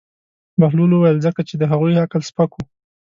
بهلول وویل: ځکه چې د هغوی عقل سپک وي.